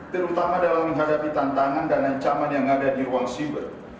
terutama dalam menghadapi tantangan dan ancaman yang ada di ruang siber